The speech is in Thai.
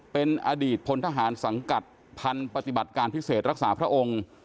เป็นอดีตพลทหารสังกัดพันธุ์ปฏิบัติการพิเศษรักษาพระองค์